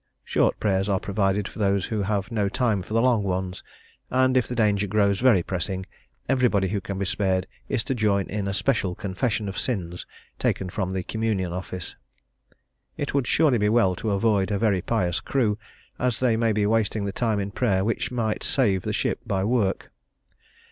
Short prayers are provided for those who have no time for the long ones; and if the danger grows very pressing, everybody who can be spared is to join in a special confession of sins, taken from the Communion Office. It would surely be well to avoid a very pious crew, as they might be wasting the time in prayer which might save the ship by work.